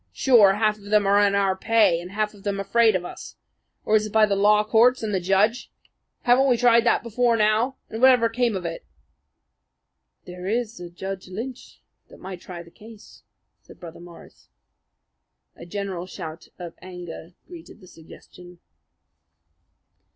Sure, half of them are in our pay and half of them afraid of us. Or is it by the law courts and the judge? Haven't we tried that before now, and what ever came of it?" "There is a Judge Lynch that might try the case," said Brother Morris. A general shout of anger greeted the suggestion.